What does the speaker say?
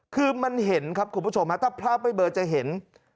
คือมันเห็นครับคุณผู้ชมฮะถ้าภาพไม่เบอร์จะเห็น